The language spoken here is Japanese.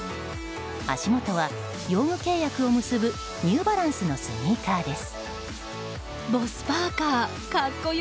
足元は用具契約を結ぶニューバランスのスニーカーです。